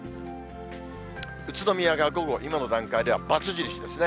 宇都宮が午後、今の段階ではばつ印ですね。